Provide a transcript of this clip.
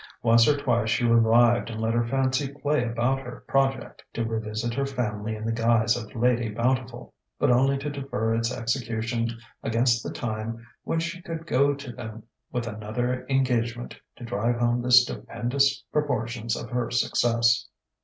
Once or twice she revived and let her fancy play about her project to revisit her family in the guise of Lady Bountiful, but only to defer its execution against the time when she could go to them with another engagement to drive home the stupendous proportions of her success.